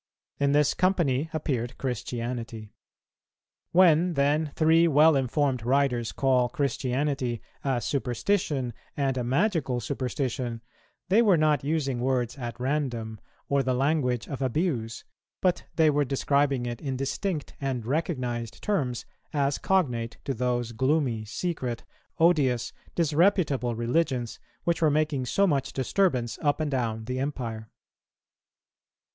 In this company appeared Christianity. When then three well informed writers call Christianity a superstition and a magical superstition, they were not using words at random, or the language of abuse, but they were describing it in distinct and recognized terms as cognate to those gloomy, secret, odious, disreputable religions which were making so much disturbance up and down the empire.